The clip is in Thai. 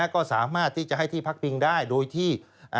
ก็สามารถที่จะให้ที่พักพิงได้โดยที่